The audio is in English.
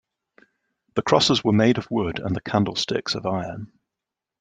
The crosses were made of wood and the candlesticks of iron.